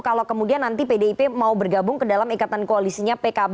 kalau kemudian nanti pdip mau bergabung ke dalam ikatan koalisinya pkb